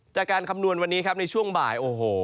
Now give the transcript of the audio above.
จากการคำนวณวันนี้ครับในช่วงบ่าย